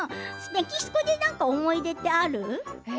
メキシコで何か思い出ってある？